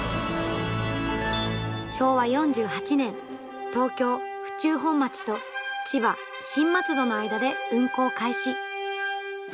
昭和４８年東京・府中本町と千葉・新松戸の間で運行開始。